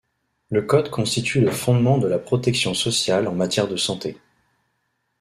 Le code constitue le fondement de la protection sociale en matière de santé.